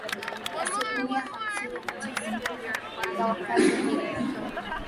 asilimia hamsini na tisa ya wakazi dini